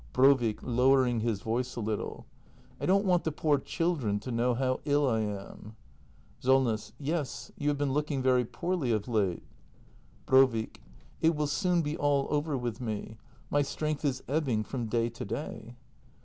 Brovik. [Lowering his voice a little.] I don't want the poor children to know how ill I am. Solness. Yes, you have been looking very poorly of late. Brovik. It will soon be all over with me. My strength is eb bing — from day to day.